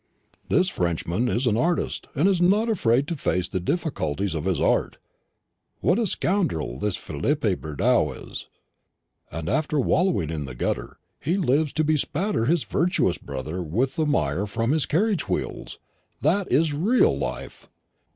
This Frenchman is an artist, and is not afraid to face the difficulties of his art. What a scoundrel this Philippe Bridau is! And after wallowing in the gutter, he lives to bespatter his virtuous brother with the mire from his carriage wheels. That is real life.